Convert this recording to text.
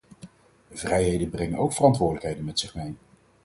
Vrijheden brengen ook verantwoordelijkheden met zich mee.